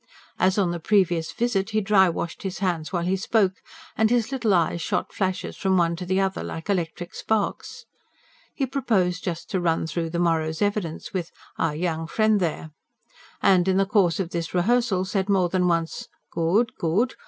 As on the previous visit he dry washed his hands while he spoke, and his little eyes shot flashes from one to the other, like electric sparks. He proposed just to run through the morrow's evidence with "our young friend there"; and in the course of this rehearsal said more than once: "Good ... good!